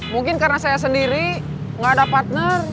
mungkin karena saya sendiri nggak ada partner